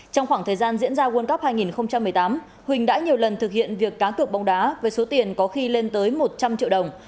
trong khoảng thời gian diễn ra world cup hai nghìn một mươi tám huỳnh đã nhiều lần thực hiện việc cá cược bóng đá với số tiền có khi lên tới một trăm linh triệu đồng